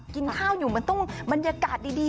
กินข้าวอยู่มันต้องบรรยากาศดี